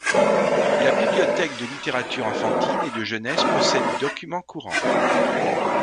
La bibliothèque de littérature enfantine et de jeunesse possède documents courants.